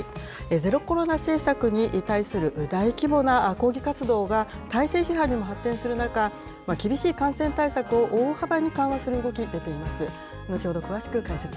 ゼロコロナ政策に対する大規模な抗議活動が、体制批判にも発展する中、厳しい感染対策を大幅に緩和する動き、出ています。